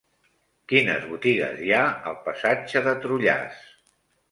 Quines botigues hi ha al passatge de Trullàs?